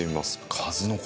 数の子。